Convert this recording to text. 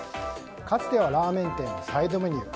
かつてはラーメン店のサイドメニュー。